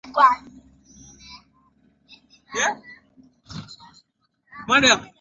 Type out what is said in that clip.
na kushusha tuhma nzito kwa waasi na kusema